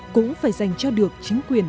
cũng phải giành cho được chính quyền